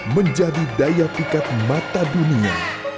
menjadi daya pikat mata dunia